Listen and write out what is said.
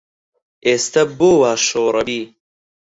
ئێستە بۆ وا شۆڕەبی